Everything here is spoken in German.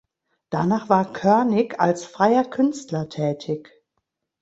Danach war Körnig als freier Künstler tätig.